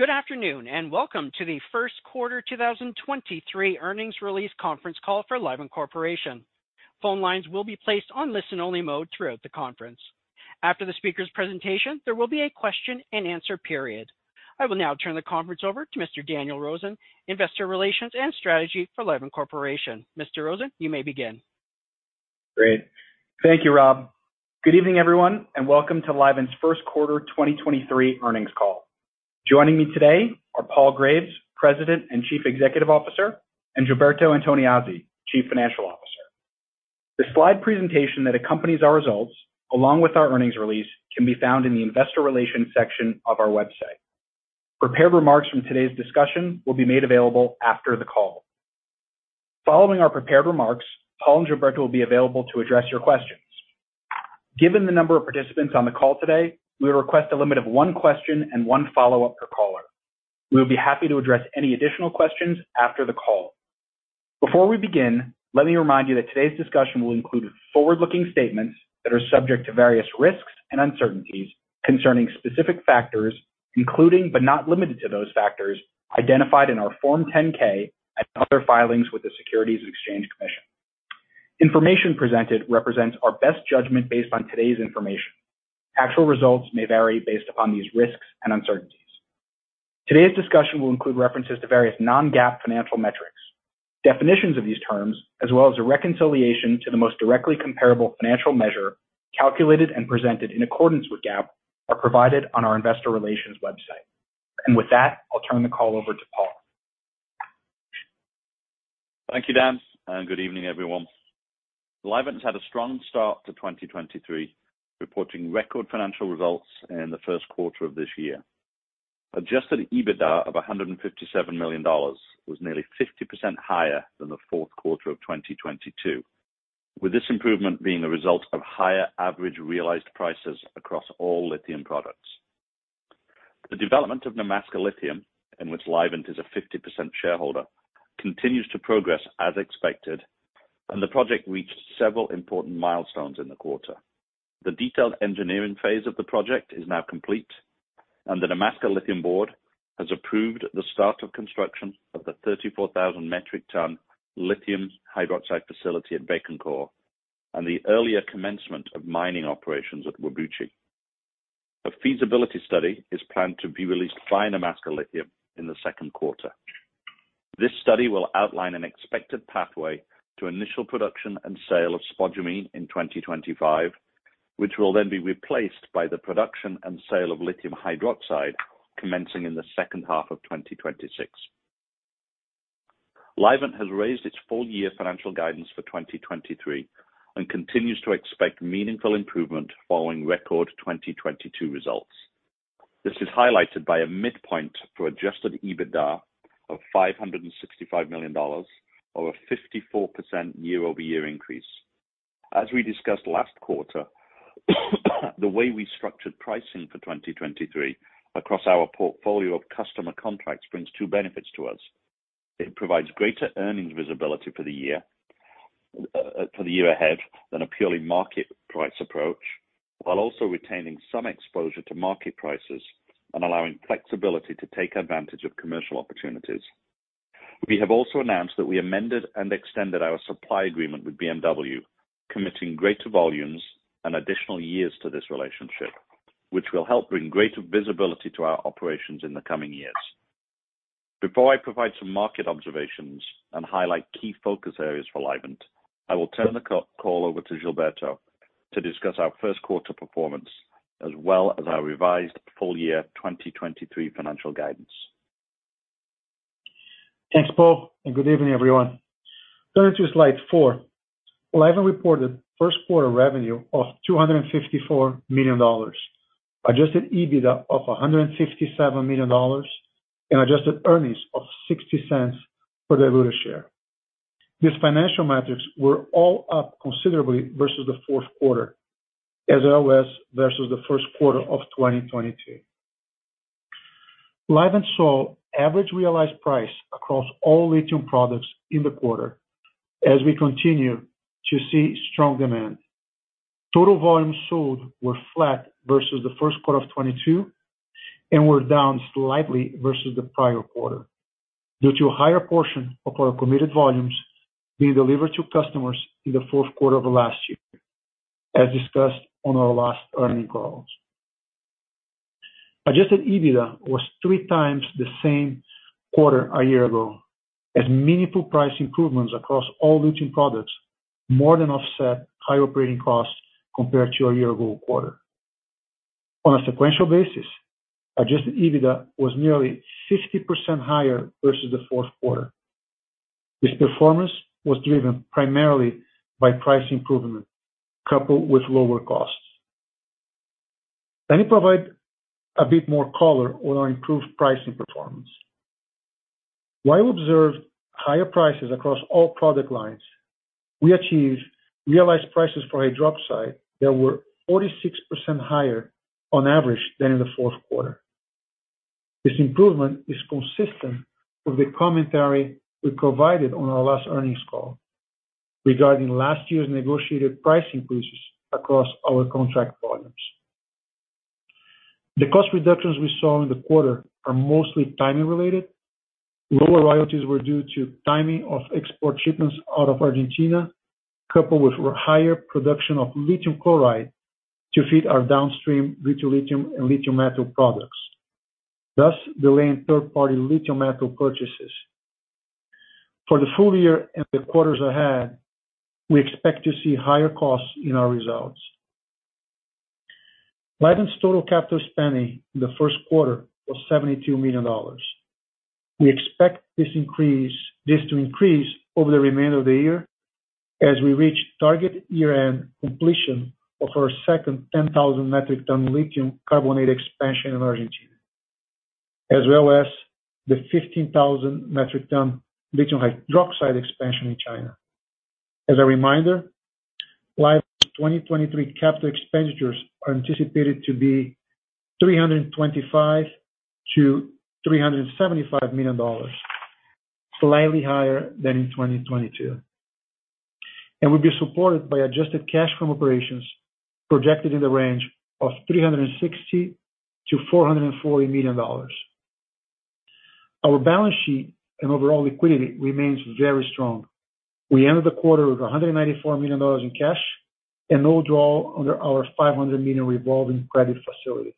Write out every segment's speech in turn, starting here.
Good afternoon, welcome to the first quarter 2023 earnings release conference call for Livent Corporation. Phone lines will be placed on listen-only mode throughout the conference. After the speaker's presentation, there will be a question-and-answer period. I will now turn the conference over to Mr. Daniel Rosen, Investor Relations and Strategy for Livent Corporation. Mr. Rosen, you may begin. Great. Thank you, Rob. Good evening, everyone, and welcome to Livent's first quarter 2023 earnings call. Joining me today are Paul Graves, President and Chief Executive Officer, and Gilberto Antoniazzi, Chief Financial Officer. The slide presentation that accompanies our results, along with our earnings release, can be found in the investor relations section of our website. Prepared remarks from today's discussion will be made available after the call. Following our prepared remarks, Paul and Gilberto will be available to address your questions. Given the number of participants on the call today, we request a limit of one question and one follow-up per caller. We'll be happy to address any additional questions after the call. Before we begin, let me remind you that today's discussion will include forward-looking statements that are subject to various risks and uncertainties concerning specific factors, including, but not limited to those factors identified in our Form 10-K and other filings with the Securities and Exchange Commission. Information presented represents our best judgment based on today's information. Actual results may vary based upon these risks and uncertainties. Today's discussion will include references to various non-GAAP financial metrics. Definitions of these terms, as well as a reconciliation to the most directly comparable financial measure, calculated and presented in accordance with GAAP, are provided on our investor relations website. With that, I'll turn the call over to Paul. Thank you, Dan. Good evening, everyone. Livent's had a strong start to 2023, reporting record financial results in the first quarter of this year. Adjusted EBITDA of $157 million was nearly 50% higher than the fourth quarter of 2022, with this improvement being a result of higher average realized prices across all lithium products. The development of Nemaska Lithium, in which Livent is a 50% shareholder, continues to progress as expected, and the project reached several important milestones in the quarter. The detailed engineering phase of the project is now complete, and the Nemaska Lithium board has approved the start of construction of the 34,000 metric ton lithium hydroxide facility at Bécancour and the earlier commencement of mining operations at Whabouchi. A feasibility study is planned to be released by Nemaska Lithium in the second quarter. This study will outline an expected pathway to initial production and sale of spodumene in 2025, which will then be replaced by the production and sale of lithium hydroxide commencing in the second half of 2026. Livent has raised its full-year financial guidance for 2023 and continues to expect meaningful improvement following record 2022 results. This is highlighted by a midpoint for adjusted EBITDA of $565 million or a 54% year-over-year increase. As we discussed last quarter, the way we structured pricing for 2023 across our portfolio of customer contracts brings two benefits to us. It provides greater earnings visibility for the year, for the year ahead than a purely market price approach, while also retaining some exposure to market prices and allowing flexibility to take advantage of commercial opportunities. We have also announced that we amended and extended our supply agreement with BMW, committing greater volumes and additional years to this relationship, which will help bring greater visibility to our operations in the coming years. Before I provide some market observations and highlight key focus areas for Livent, I will turn the call over to Gilberto to discuss our first quarter performance as well as our revised full-year 2023 financial guidance. Thanks, Paul. Good evening, everyone. Turning to slide four. Livent reported first quarter revenue of $254 million, adjusted EBITDA of $167 million, and adjusted earnings of $0.60 per diluted share. These financial metrics were all up considerably versus the fourth quarter, as well as versus the first quarter of 2022. Livent saw average realized price across all lithium products in the quarter as we continue to see strong demand. Total volumes sold were flat versus the first quarter of 2022 and were down slightly versus the prior quarter due to a higher portion of our committed volumes being delivered to customers in the fourth quarter of last year, as discussed on our last earnings calls. adjusted EBITDA was three times the same quarter a year ago, as meaningful price improvements across all lithium products more than offset higher operating costs compared to a year ago quarter. On a sequential basis, adjusted EBITDA was nearly 60% higher versus the fourth quarter. This performance was driven primarily by price improvement coupled with lower costs. Let me provide a bit more color on our improved pricing performance. While we observed higher prices across all product lines, we achieved realized prices for hydroxide that were 46% higher on average than in the fourth quarter. This improvement is consistent with the commentary we provided on our last earnings call. Regarding last year's negotiated price increases across our contract volumes. The cost reductions we saw in the quarter are mostly timing related. Lower royalties were due to timing of export shipments out of Argentina, coupled with higher production of lithium chloride to feed our downstream butyllithium and lithium metal products, thus delaying third-party lithium metal purchases. For the full year and the quarters ahead, we expect to see higher costs in our results. Livent's total capital spending in the first quarter was $72 million. We expect this to increase over the remainder of the year as we reach target year-end completion of our second 10,000 metric ton lithium carbonate expansion in Argentina, as well as the 15,000 metric ton lithium hydroxide expansion in China. As a reminder, Livent's 2023 capital expenditures are anticipated to be $325 million-$375 million, slightly higher than in 2022. Will be supported by adjusted cash from operations projected in the range of $360 million-$440 million. Our balance sheet and overall liquidity remains very strong. We ended the quarter with $194 million in cash and no draw under our $500 million revolving credit facility.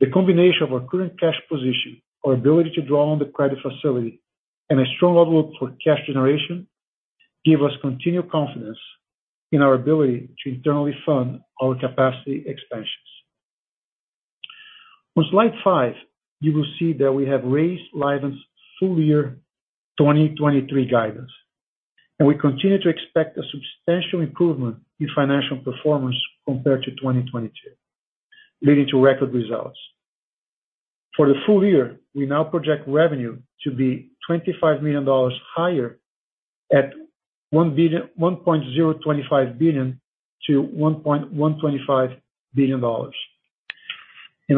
The combination of our current cash position, our ability to draw on the credit facility, and a strong outlook for cash generation, give us continued confidence in our ability to internally fund our capacity expansions. On slide five, you will see that we have raised Livent's full year 2023 guidance, and we continue to expect a substantial improvement in financial performance compared to 2022, leading to record results. For the full year, we now project revenue to be $25 million higher at $1.025 billion-$1.125 billion.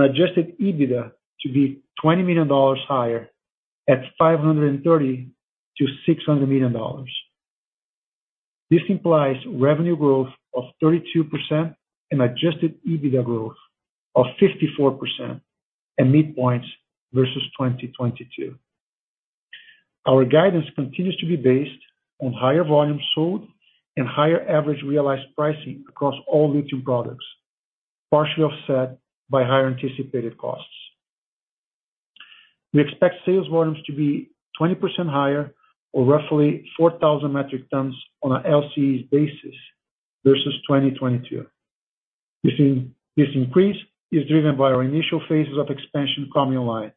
Adjusted EBITDA to be $20 million higher at $530 million-$600 million. This implies revenue growth of 32% and adjusted EBITDA growth of 54% at midpoints versus 2022. Our guidance continues to be based on higher volumes sold and higher average realized pricing across all lithium products, partially offset by higher anticipated costs. We expect sales volumes to be 20% higher or roughly 4,000 metric tons on an LCE basis versus 2022. This increase is driven by our initial phases of expansion coming online.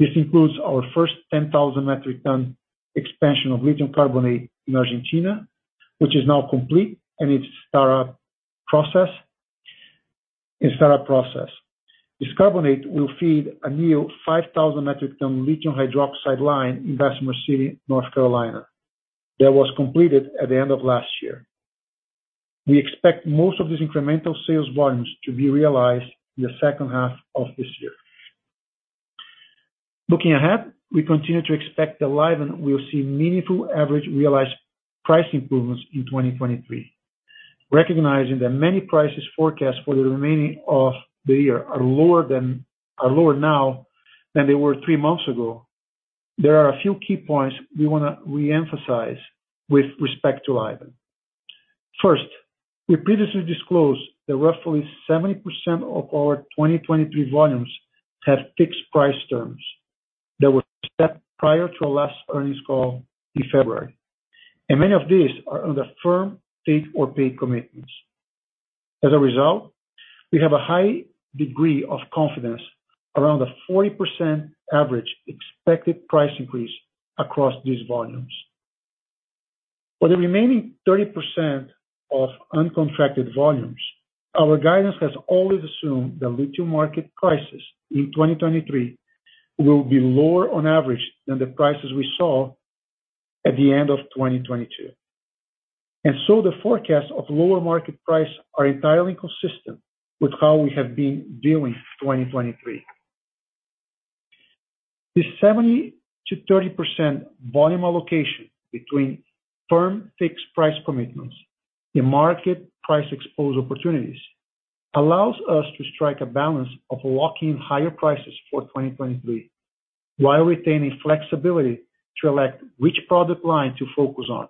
This includes our first 10,000 metric ton expansion of lithium carbonate in Argentina, which is now complete in its startup process. This carbonate will feed a new 5,000 metric ton lithium hydroxide line in Bessemer City, North Carolina, that was completed at the end of last year. We expect most of these incremental sales volumes to be realized in the second half of this year. Looking ahead, we continue to expect that Livent will see meaningful average realized price improvements in 2023. Recognizing that many prices forecast for the remaining of the year are lower now than they were three months ago, there are a few key points we wanna re-emphasize with respect to Livent. First, we previously disclosed that roughly 70% of our 2023 volumes have fixed price terms that were set prior to our last earnings call in February. Many of these are under firm take-or-pay commitments. As a result, we have a high degree of confidence around a 40% average expected price increase across these volumes. For the remaining 30% of uncontracted volumes, our guidance has always assumed the lithium market prices in 2023 will be lower on average than the prices we saw at the end of 2022. The forecast of lower market price are entirely consistent with how we have been viewing 2023. The 70%-30% volume allocation between firm fixed price commitments and market price exposure opportunities, allows us to strike a balance of locking higher prices for 2023, while retaining flexibility to elect which product line to focus on,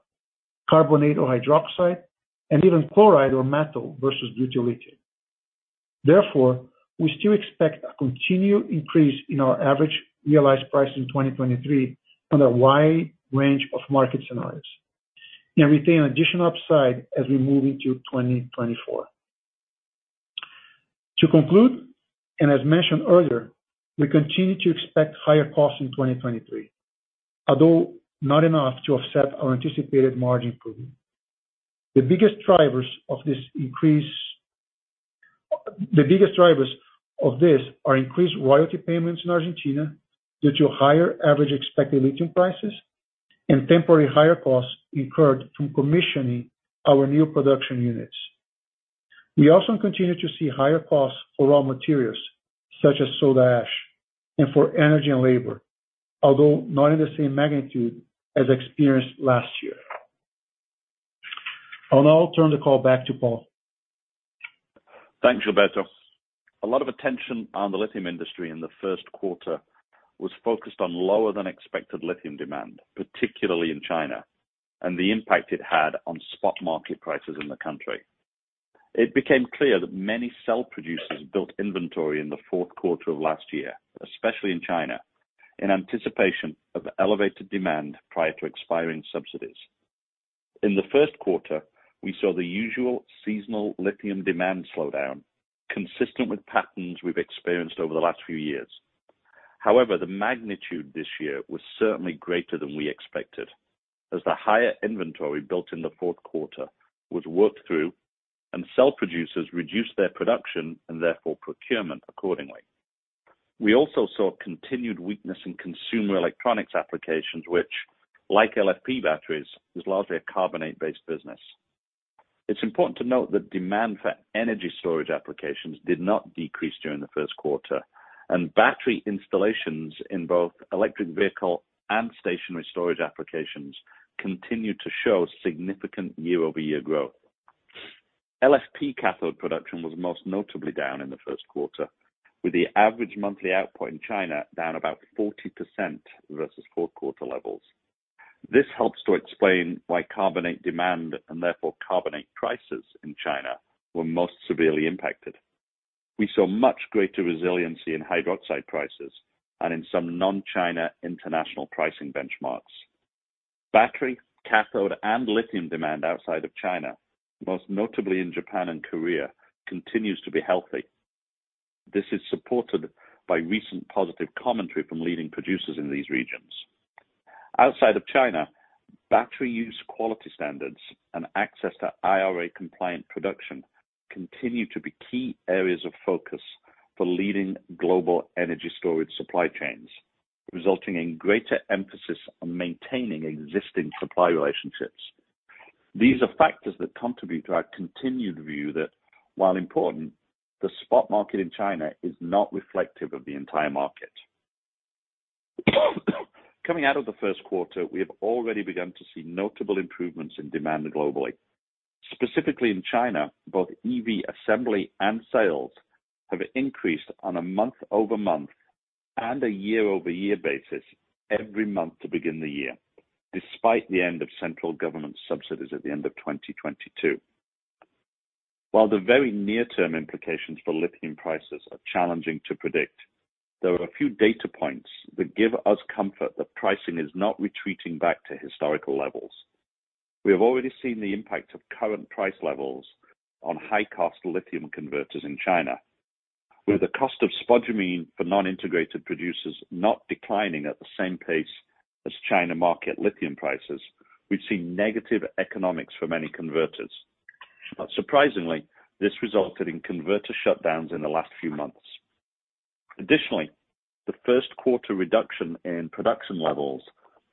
carbonate or hydroxide, and even chloride or metal versus butyllithium. Therefore, we still expect a continued increase in our average realized price in 2023 on a wide range of market scenarios, and retain additional upside as we move into 2024. To conclude, and as mentioned earlier, we continue to expect higher costs in 2023, although not enough to offset our anticipated margin improvement. The biggest drivers of this increase... The biggest drivers of this are increased royalty payments in Argentina due to higher average expected lithium prices and temporary higher costs incurred from commissioning our new production units. We also continue to see higher costs for raw materials such as soda ash and for energy and labor, although not in the same magnitude as experienced last year. I'll now turn the call back to Paul. Thanks, Gilberto. A lot of attention on the lithium industry in the first quarter was focused on lower than expected lithium demand, particularly in China, and the impact it had on spot market prices in the country. It became clear that many cell producers built inventory in the fourth quarter of last year, especially in China, in anticipation of elevated demand prior to expiring subsidies. In the first quarter, we saw the usual seasonal lithium demand slowdown consistent with patterns we've experienced over the last few years. However, the magnitude this year was certainly greater than we expected, as the higher inventory built in the fourth quarter was worked through and cell producers reduced their production, and therefore procurement accordingly. We also saw continued weakness in consumer electronics applications which, like LFP batteries, is largely a carbonate-based business. It's important to note that demand for energy storage applications did not decrease during the first quarter, and battery installations in both electric vehicle and stationary storage applications continued to show significant year-over-year growth. LFP cathode production was most notably down in the first quarter, with the average monthly output in China down about 40% versus fourth quarter levels. This helps to explain why carbonate demand, and therefore carbonate prices in China were most severely impacted. We saw much greater resiliency in hydroxide prices and in some non-China international pricing benchmarks. Battery, cathode, and lithium demand outside of China, most notably in Japan and Korea, continues to be healthy. This is supported by recent positive commentary from leading producers in these regions. Outside of China, battery use quality standards and access to IRA compliant production continue to be key areas of focus for leading global energy storage supply chains, resulting in greater emphasis on maintaining existing supply relationships. These are factors that contribute to our continued view that while important, the spot market in China is not reflective of the entire market. Coming out of the first quarter, we have already begun to see notable improvements in demand globally. Specifically in China, both EV assembly and sales have increased on a month-over-month and a year-over-year basis every month to begin the year, despite the end of central government subsidies at the end of 2022. While the very near term implications for lithium prices are challenging to predict, there are a few data points that give us comfort that pricing is not retreating back to historical levels. We have already seen the impact of current price levels on high cost lithium converters in China. With the cost of spodumene for non-integrated producers not declining at the same pace as China market lithium prices, we've seen negative economics for many converters. Not surprisingly, this resulted in converter shutdowns in the last few months. Additionally, the first quarter reduction in production levels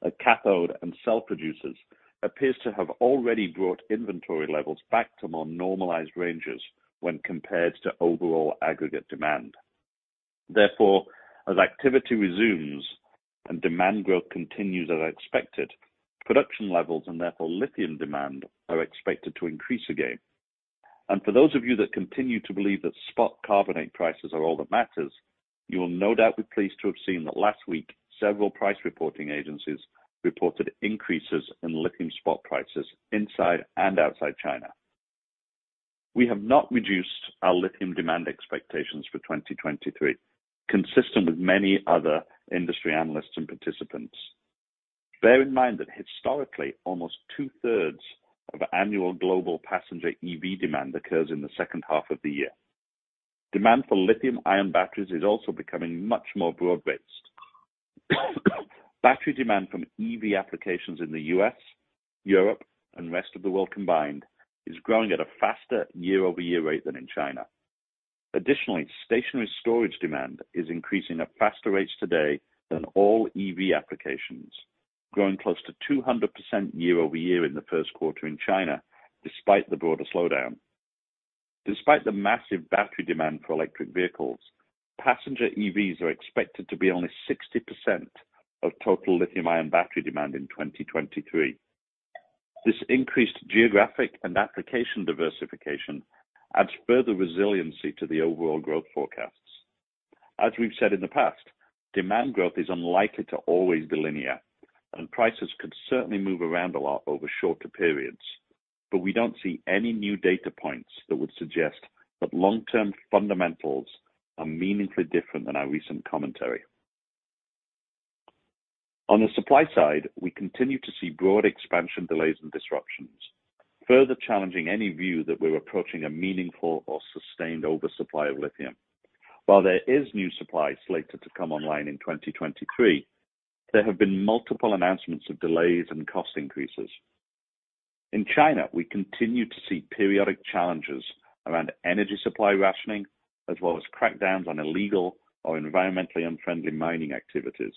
at cathode and cell producers appears to have already brought inventory levels back to more normalized ranges when compared to overall aggregate demand. As activity resumes and demand growth continues as expected, production levels and therefore lithium demand are expected to increase again. For those of you that continue to believe that spot carbonate prices are all that matters, you will no doubt be pleased to have seen that last week, several price reporting agencies reported increases in lithium spot prices inside and outside China. We have not reduced our lithium demand expectations for 2023, consistent with many other industry analysts and participants. Bear in mind that historically, almost two-thirds of annual global passenger EV demand occurs in the second half of the year. Demand for lithium-ion batteries is also becoming much more broad-based. Battery demand from EV applications in the U.S., Europe and rest of the world combined is growing at a faster year-over-year rate than in China. Additionally, stationary storage demand is increasing at faster rates today than all EV applications, growing close to 200% year-over-year in the first quarter in China despite the broader slowdown. Despite the massive battery demand for electric vehicles, passenger EVs are expected to be only 60% of total lithium-ion battery demand in 2023. This increased geographic and application diversification adds further resiliency to the overall growth forecasts. As we've said in the past, demand growth is unlikely to always be linear, and prices could certainly move around a lot over shorter periods. We don't see any new data points that would suggest that long-term fundamentals are meaningfully different than our recent commentary. On the supply side, we continue to see broad expansion delays and disruptions, further challenging any view that we're approaching a meaningful or sustained oversupply of lithium. While there is new supply slated to come online in 2023, there have been multiple announcements of delays and cost increases. In China, we continue to see periodic challenges around energy supply rationing, as well as crackdowns on illegal or environmentally unfriendly mining activities.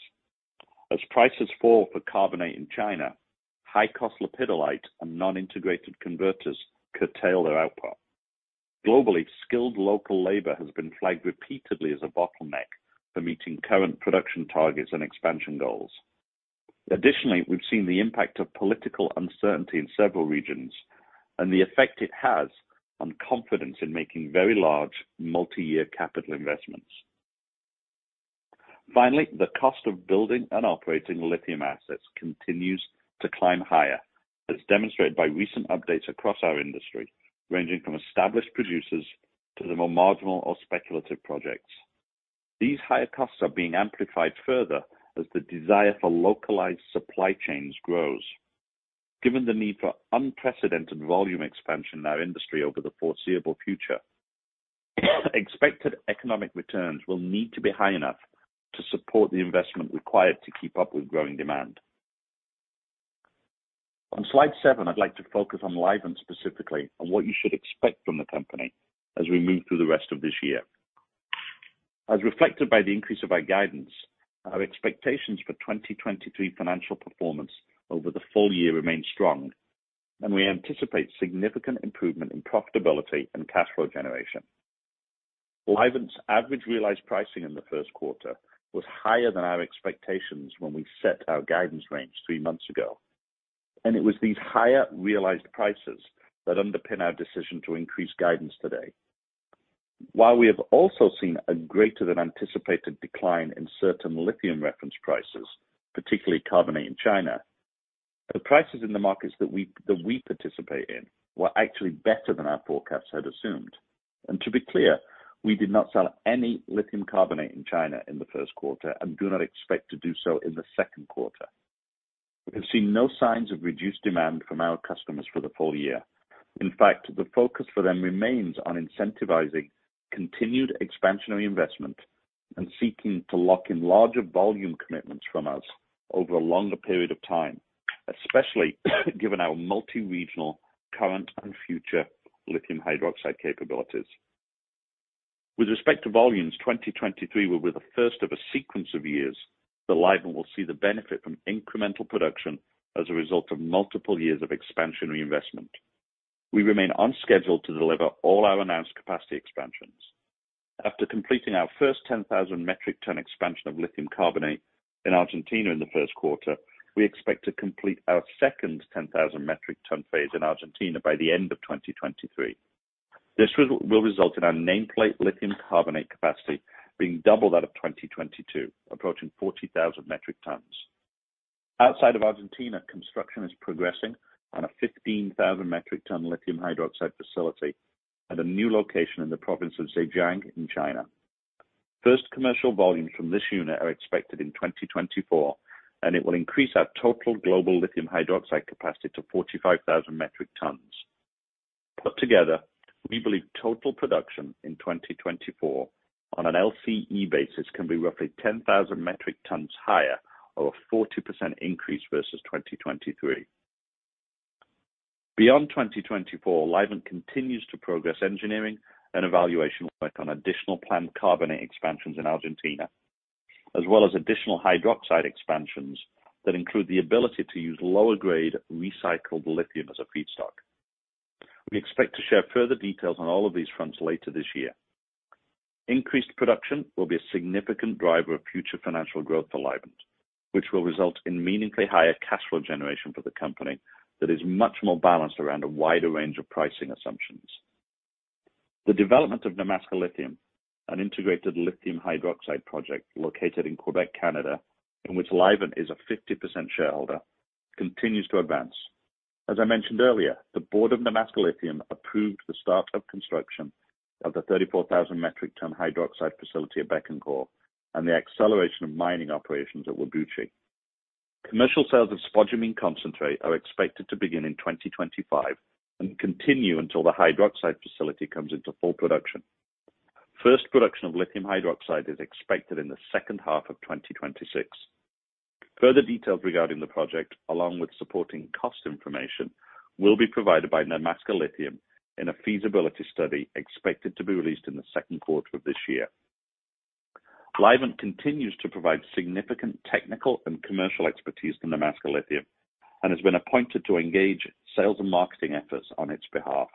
As prices fall for carbonate in China, high cost lepidolite and non-integrated converters curtail their output. Globally, skilled local labor has been flagged repeatedly as a bottleneck for meeting current production targets and expansion goals. Additionally, we've seen the impact of political uncertainty in several regions and the effect it has on confidence in making very large multi-year capital investments. Finally, the cost of building and operating lithium assets continues to climb higher, as demonstrated by recent updates across our industry, ranging from established producers to the more marginal or speculative projects. These higher costs are being amplified further as the desire for localized supply chains grows. Given the need for unprecedented volume expansion in our industry over the foreseeable future, expected economic returns will need to be high enough to support the investment required to keep up with growing demand. On slide seven, I'd like to focus on Livent specifically on what you should expect from the company as we move through the rest of this year. As reflected by the increase of our guidance, our expectations for 2023 financial performance over the full year remain strong, and we anticipate significant improvement in profitability and cash flow generation. Livent's average realized pricing in the first quarter was higher than our expectations when we set our guidance range three months ago, and it was these higher realized prices that underpin our decision to increase guidance today. While we have also seen a greater than anticipated decline in certain lithium reference prices, particularly lithium carbonate in China, the prices in the markets that we participate in were actually better than our forecasts had assumed. To be clear, we did not sell any lithium carbonate in China in the first quarter and do not expect to do so in the second quarter. We have seen no signs of reduced demand from our customers for the full year. In fact, the focus for them remains on incentivizing continued expansionary investment and seeking to lock in larger volume commitments from us over a longer period of time, especially given our multi-regional current and future lithium hydroxide capabilities. With respect to volumes, 2023 will be the first of a sequence of years that Livent will see the benefit from incremental production as a result of multiple years of expansionary investment. We remain on schedule to deliver all our announced capacity expansions. After completing our first 10,000 metric ton expansion of lithium carbonate in Argentina in the first quarter, we expect to complete our second 10,000 metric ton phase in Argentina by the end of 2023. This will result in our nameplate lithium carbonate capacity being double that of 2022, approaching 40,000 metric tons. Outside of Argentina, construction is progressing on a 15,000 metric ton lithium hydroxide facility at a new location in the province of Zhejiang in China. First commercial volumes from this unit are expected in 2024, and it will increase our total global lithium hydroxide capacity to 45,000 metric tons. Put together, we believe total production in 2024 on an LCE basis can be roughly 10,000 metric tons higher or a 40% increase versus 2023. Beyond 2024, Livent continues to progress engineering and evaluation work on additional planned carbonate expansions in Argentina, as well as additional hydroxide expansions that include the ability to use lower grade recycled lithium as a feedstock. We expect to share further details on all of these fronts later this year. Increased production will be a significant driver of future financial growth for Livent, which will result in meaningfully higher cash flow generation for the company that is much more balanced around a wider range of pricing assumptions. The development of Nemaska Lithium, an integrated lithium hydroxide project located in Québec, Canada, in which Livent is a 50% shareholder, continues to advance. As I mentioned earlier, the board of Nemaska Lithium approved the start of construction of the 34,000 metric ton hydroxide facility at Bécancour and the acceleration of mining operations at Whabouchi. Commercial sales of spodumene concentrate are expected to begin in 2025 and continue until the hydroxide facility comes into full production. First production of lithium hydroxide is expected in the second half of 2026. Further details regarding the project, along with supporting cost information, will be provided by Nemaska Lithium in a feasibility study expected to be released in the second quarter of this year. Livent continues to provide significant technical and commercial expertise to Nemaska Lithium and has been appointed to engage sales and marketing efforts on its behalf.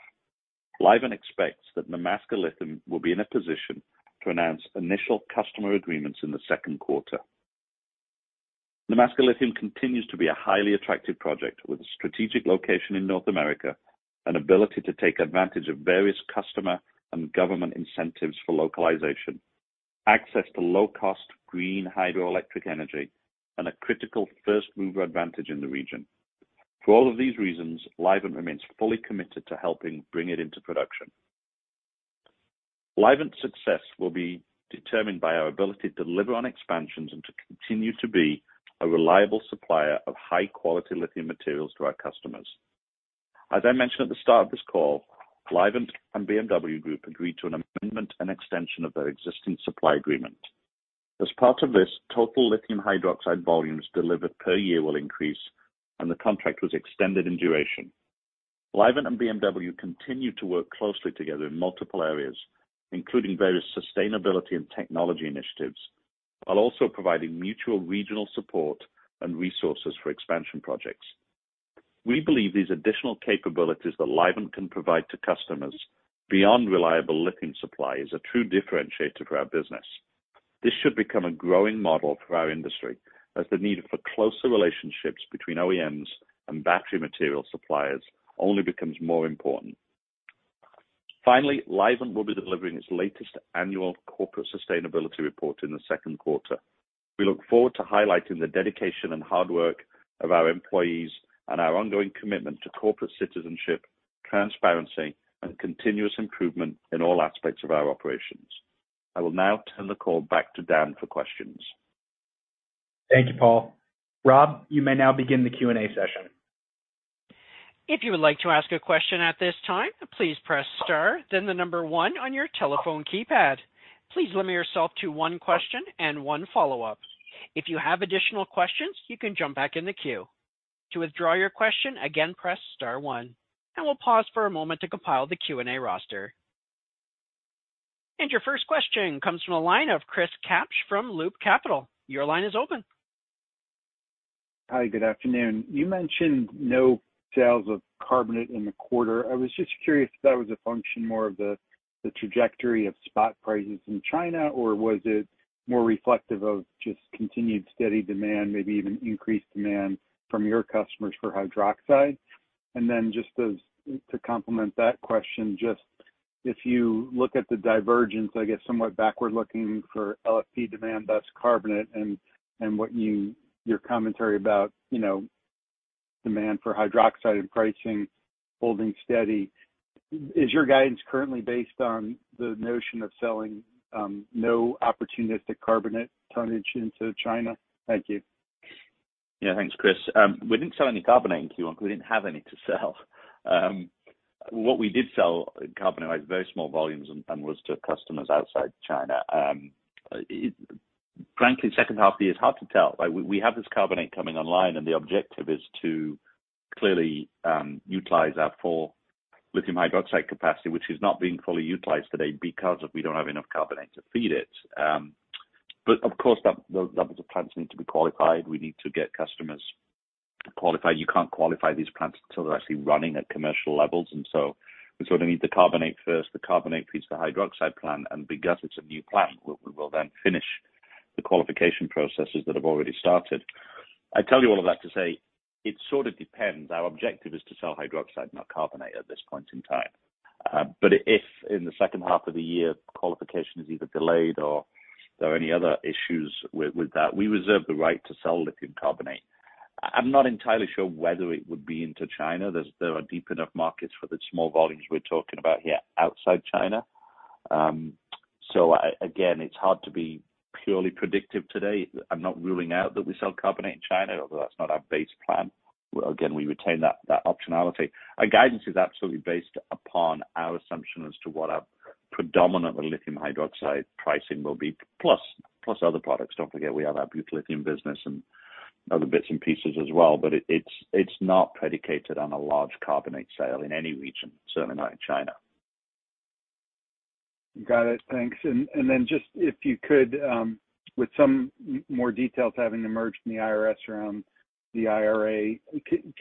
Livent expects that Nemaska Lithium will be in a position to announce initial customer agreements in the second quarter. Nemaska Lithium continues to be a highly attractive project with a strategic location in North America, an ability to take advantage of various customer and government incentives for localization, access to low-cost green hydroelectric energy and a critical first-mover advantage in the region. For all of these reasons, Livent remains fully committed to helping bring it into production. Livent's success will be determined by our ability to deliver on expansions and to continue to be a reliable supplier of high-quality lithium materials to our customers. As I mentioned at the start of this call, Livent and BMW Group agreed to an amendment and extension of their existing supply agreement. As part of this, total lithium hydroxide volumes delivered per year will increase, and the contract was extended in duration. Livent and BMW continue to work closely together in multiple areas, including various sustainability and technology initiatives, while also providing mutual regional support and resources for expansion projects. We believe these additional capabilities that Livent can provide to customers beyond reliable lithium supply is a true differentiator for our business. This should become a growing model for our industry as the need for closer relationships between OEMs and battery material suppliers only becomes more important. Finally, Livent will be delivering its latest annual corporate sustainability report in the second quarter. We look forward to highlighting the dedication and hard work of our employees and our ongoing commitment to corporate citizenship, transparency, and continuous improvement in all aspects of our operations. I will now turn the call back to Dan for questions. Thank you, Paul. Rob, you may now begin the Q&A session. If you would like to ask a question at this time, please press star, then the number one on your telephone keypad. Please limit yourself to one question and one follow-up. If you have additional questions, you can jump back in the queue. To withdraw your question, again, press star one. We'll pause for a moment to compile the Q&A roster. Your first question comes from the line of Chris Kapsch from Loop Capital. Your line is open. Hi, good afternoon. You mentioned no sales of carbonate in the quarter. I was just curious if that was a function more of the trajectory of spot prices in China, or was it more reflective of just continued steady demand, maybe even increased demand from your customers for hydroxide? Just as to complement that question, just if you look at the divergence, I guess, somewhat backward looking for LFP demand, thus carbonate and, your commentary about, you know, demand for hydroxide and pricing holding steady. Is your guidance currently based on the notion of selling no opportunistic carbonate tonnage into China? Thank you. Yeah. Thanks, Chris. We didn't sell any carbonate in Q1 'cause we didn't have any to sell. What we did sell in carbonate was very small volumes and was to customers outside China. Frankly, the second half of the year, it's hard to tell. Like, we have this carbonate coming online, and the objective is to clearly utilize our full lithium hydroxide capacity, which is not being fully utilized today because of we don't have enough carbonate to feed it. But of course, those levels of plants need to be qualified. We need to get customers qualified. You can't qualify these plants until they're actually running at commercial levels. We sort of need the carbonate first. The carbonate feeds the hydroxide plant. Because it's a new plant, we will then finish the qualification processes that have already started. I tell you all of that to say it sort of depends. Our objective is to sell hydroxide, not carbonate at this point in time. If in the second half of the year qualification is either delayed or there are any other issues with that, we reserve the right to sell lithium carbonate. I'm not entirely sure whether it would be into China. There are deep enough markets for the small volumes we're talking about here outside China. Again, it's hard to be purely predictive today. I'm not ruling out that we sell carbonate in China, although that's not our base plan. Again, we retain that optionality. Our guidance is absolutely based upon our assumption as to what our predominant lithium hydroxide pricing will be, plus other products. Don't forget we have our butyllithium business and other bits and pieces as well. It's not predicated on a large carbonate sale in any region, certainly not in China. Got it. Thanks. Just if you could, with some more details having emerged in the IRS around the IRA,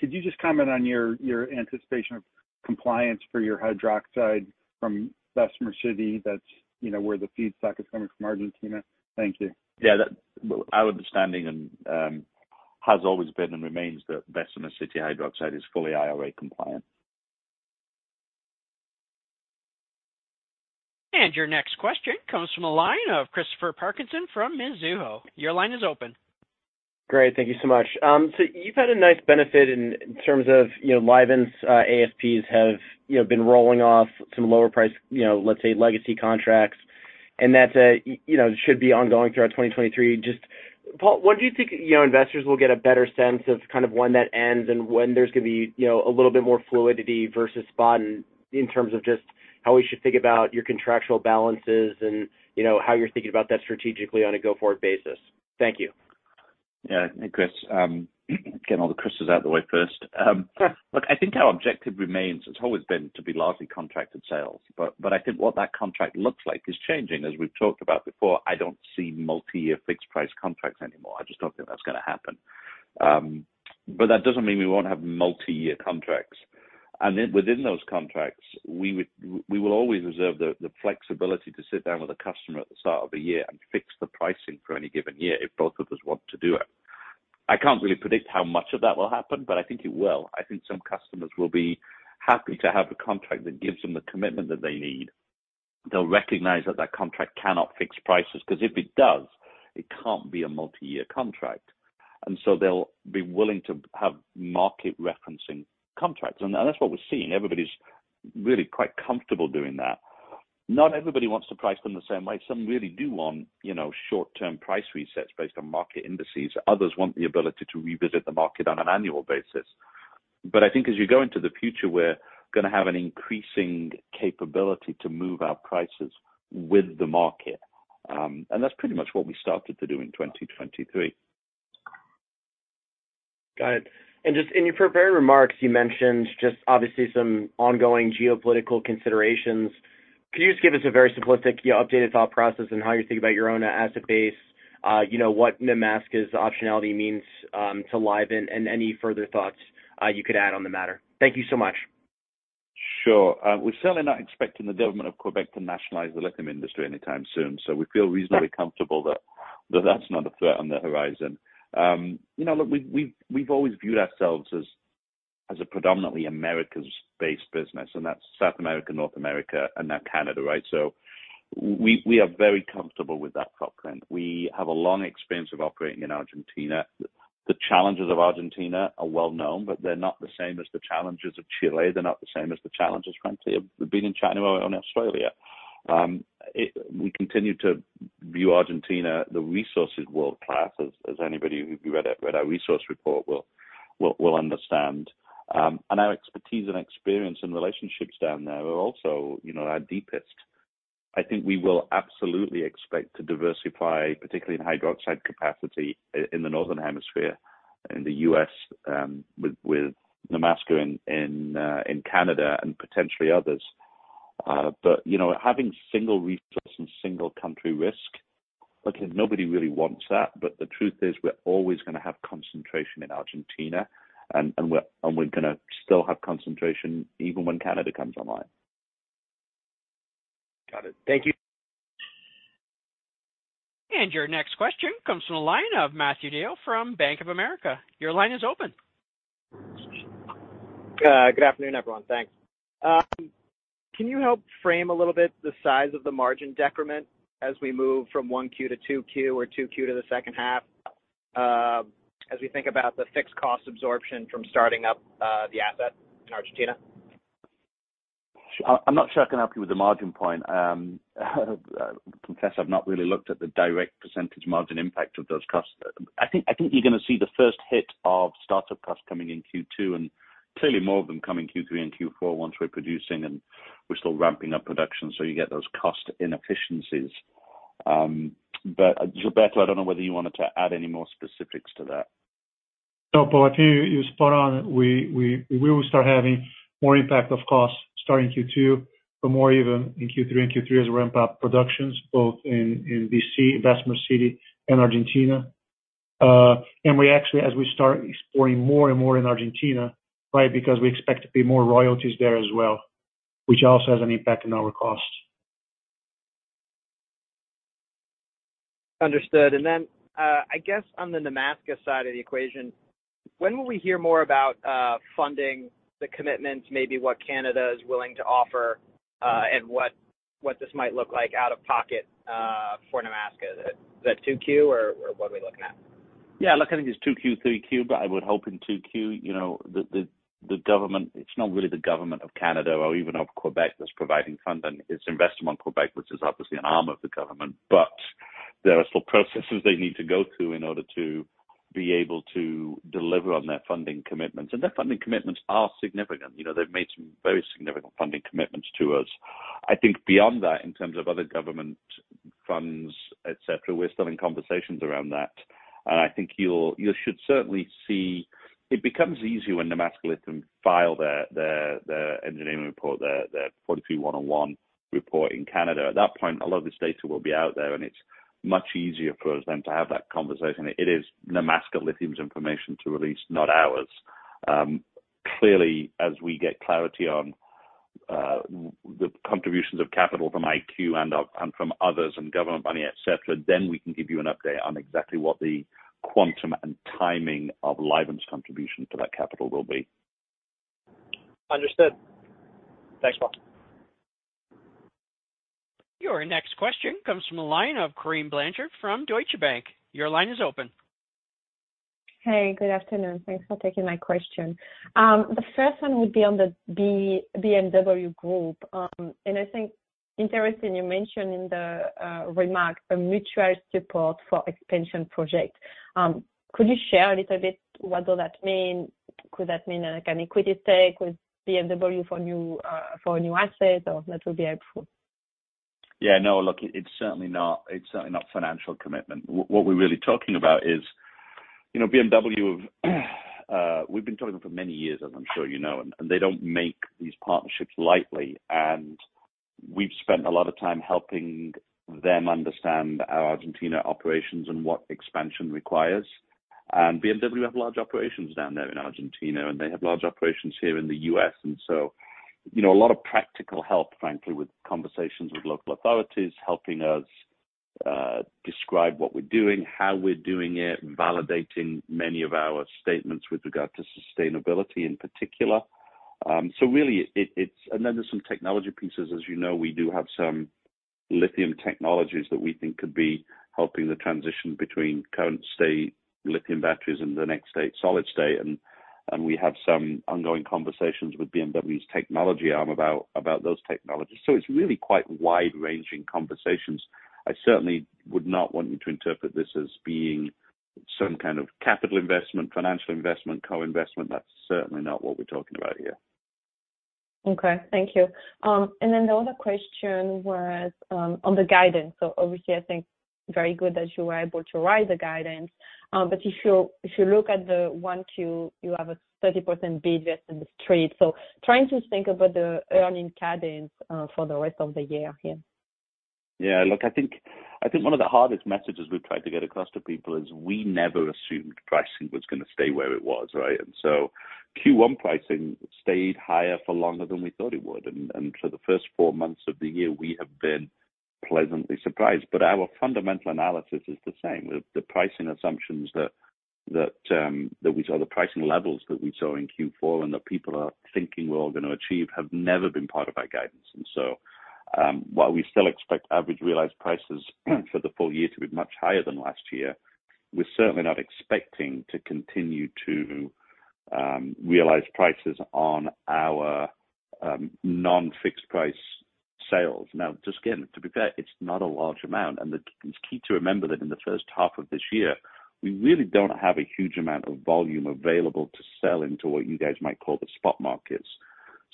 could you just comment on your anticipation of compliance for your hydroxide from Bessemer City? That's, you know, where the feedstock is coming from Argentina. Thank you. Yeah. Our understanding and has always been and remains that Bessemer City hydroxide is fully IRA compliant. Your next question comes from the line of Christopher Parkinson from Mizuho. Your line is open. Great. Thank you so much. You've had a nice benefit in terms of, you know, Livent's ASPs have, you know, been rolling off some lower price, you know, let's say legacy contracts. That, you know, should be ongoing throughout 2023. Just, Paul, when do you think, you know, investors will get a better sense of kind of when that ends and when there's gonna be, you know, a little bit more fluidity versus spot in terms of just how we should think about your contractual balances and, you know, how you're thinking about that strategically on a go-forward basis? Thank you. Yeah. Chris, getting all the Chris's out the way first. Look, I think our objective remains. It's always been to be largely contracted sales, but I think what that contract looks like is changing. As we've talked about before, I don't see multi-year fixed price contracts anymore. I just don't think that's gonna happen. That doesn't mean we won't have multi-year contracts. Within those contracts, we will always reserve the flexibility to sit down with a customer at the start of the year and fix the pricing for any given year if both of us want to do it. I can't really predict how much of that will happen, but I think it will. I think some customers will be happy to have a contract that gives them the commitment that they need. They'll recognize that that contract cannot fix prices, 'cause if it does, it can't be a multi-year contract. They'll be willing to have market referencing contracts. That's what we're seeing. Everybody's really quite comfortable doing that. Not everybody wants to price them the same way. Some really do want, you know, short-term price resets based on market indices. Others want the ability to revisit the market on an annual basis. I think as you go into the future, we're gonna have an increasing capability to move our prices with the market. That's pretty much what we started to do in 2023. Got it. Just in your prepared remarks, you mentioned just obviously some ongoing geopolitical considerations. Could you just give us a very simplistic, you know, updated thought process and how you think about your own asset base, you know what Nemaska's optionality means to Livent and any further thoughts you could add on the matter? Thank you so much. Sure. We're certainly not expecting the government of Quebec to nationalize the lithium industry anytime soon. We feel reasonably comfortable that that that's not a threat on the horizon. You know, look, we've always viewed ourselves as a predominantly Americas-based business, and that's South America, North America and now Canada, right? We are very comfortable with that footprint. We have a long experience of operating in Argentina. The challenges of Argentina are well-known, but they're not the same as the challenges of Chile. They're not the same as the challenges, frankly, of being in China or in Australia. We continue to view Argentina, the resources world class as anybody who read our resource report will understand. And our expertise and experience and relationships down there are also, you know, our deepest. I think we will absolutely expect to diversify, particularly in hydroxide capacity in the Northern Hemisphere, in the U.S., with Nemaska in Canada and potentially others. You know, having single resource and single country risk, look, nobody really wants that. The truth is, we're always gonna have concentration in Argentina and we're gonna still have concentration even when Canada comes online. Got it. Thank you. Your next question comes from the line of Matthew DeYoe from Bank of America. Your line is open. Good afternoon, everyone. Thanks. Can you help frame a little bit the size of the margin decrement as we move from 1Q-2Q or 2Q to the second half, as we think about the fixed cost absorption from starting up, the asset in Argentina? I'm not sure I can help you with the margin point. Confess I've not really looked at the direct % margin impact of those costs. I think you're gonna see the first hit of startup costs coming in Q2. Clearly more of them coming Q3 and Q4 once we're producing and we're still ramping up production. You get those cost inefficiencies. Gilberto, I don't know whether you wanted to add any more specifics to that. No, Paul, I think you're spot on. We will start having more impact of costs starting Q2, but more even in Q3 as we ramp up productions both in D.C., Bessemer City and Argentina. We actually, as we start exploring more and more in Argentina, right, because we expect to pay more royalties there as well, which also has an impact on our costs. Understood. I guess on the Nemaska side of the equation, when will we hear more about funding the commitments, maybe what Canada is willing to offer, and what this might look like out of pocket for Nemaska? Is that, is that 2Q or what are we looking at? Yeah, look, I think it's 2Q, 3Q, but I would hope in 2Q, you know, the government, it's not really the government of Canada or even of Quebec that's providing funding. It's Investissement Québec, which is obviously an arm of the government. There are still processes they need to go through in order to be able to deliver on their funding commitments. Their funding commitments are significant. You know, they've made some very significant funding commitments to us. I think beyond that, in terms of other government funds, et cetera, we're still in conversations around that. I think you should certainly see it becomes easier when Nemaska Lithium file their engineering report, their NI 43-101 report in Canada. At that point, a lot of this data will be out there and it's much easier for us then to have that conversation. It is Nemaska Lithium's information to release, not ours. Clearly, as we get clarity on the contributions of capital from IQ and from others and government money, et cetera, then we can give you an update on exactly what the quantum and timing of Livent's contribution to that capital will be. Understood. Thanks, Paul. Your next question comes from the line of Corinne Blanchard from Deutsche Bank. Your line is open. Hey, good afternoon. Thanks for taking my question. The first one would be on the BMW Group. I think interesting you mentioned in the remarks a mutual support for expansion project. Could you share a little bit what will that mean? Could that mean like an equity stake with BMW for new for a new asset? That would be helpful. Yeah, no, look, it's certainly not financial commitment. What we're really talking about is, you know, BMW have, we've been talking for many years, as I'm sure you know, They don't make these partnerships lightly. We've spent a lot of time helping them understand our Argentina operations and what expansion requires. BMW have large operations down there in Argentina, and they have large operations here in the U.S. You know, a lot of practical help, frankly, with conversations with local authorities, helping us describe what we're doing, how we're doing it, validating many of our statements with regard to sustainability in particular. Really it's, then there's some technology pieces. As you know, we do have some lithium technologies that we think could be helping the transition between current state lithium batteries and the next state solid state. We have some ongoing conversations with BMW's technology arm about those technologies. It's really quite wide ranging conversations. I certainly would not want you to interpret this as being some kind of capital investment, financial investment, co-investment. That's certainly not what we're talking about here. Okay. Thank you. The other question was on the guidance. Obviously, I think very good that you were able to write the guidance. If you look at the 1Q, you have a 30% business in the street. Trying to think about the earning cadence for the rest of the year here. Look, I think one of the hardest messages we've tried to get across to people is we never assumed pricing was gonna stay where it was, right? Q1 pricing stayed higher for longer than we thought it would. For the first four months of the year, we have been pleasantly surprised. Our fundamental analysis is the same. The pricing assumptions that we saw, the pricing levels that we saw in Q4 and that people are thinking we're all gonna achieve have never been part of our guidance. While we still expect average realized prices for the full year to be much higher than last year, we're certainly not expecting to continue to realize prices on our non-fixed price sales. Just again, to be fair, it's not a large amount, and it's key to remember that in the first half of this year, we really don't have a huge amount of volume available to sell into what you guys might call the spot markets.